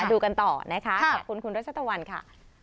ดูกันต่อนะคะคุณรจชะตะวันค่ะ